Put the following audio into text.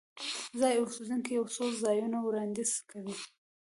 ځایي اوسیدونکي یو څو ځایونه وړاندیز کوي.